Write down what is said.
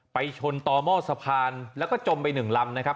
ไปชนต่อหม้อสะพานแล้วก็จมไปหนึ่งลำนะครับ